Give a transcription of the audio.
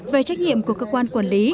về trách nhiệm của cơ quan quản lý